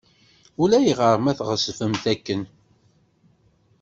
Ulayɣer ma tɣeṣbemt akken.